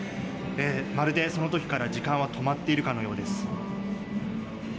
まるでその時から、時間は止まっているかのようです。